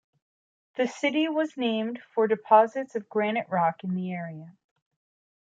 The city was named for deposits of granite rock in the area.